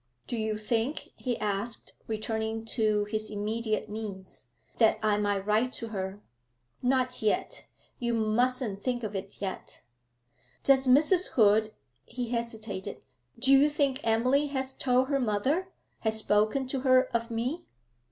'Do you think,' he asked, returning to his immediate needs, 'that I might write to her?' 'Not yet; you mustn't think of it yet.' 'Does Mrs. Hood ' he hesitated. 'Do you think Emily has told her mother has spoken to her of me?'